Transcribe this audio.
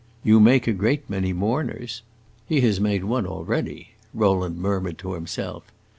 "You make a great many mourners!" "He has made one already!" Rowland murmured to himself.